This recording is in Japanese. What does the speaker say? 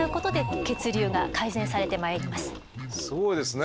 すごいですね。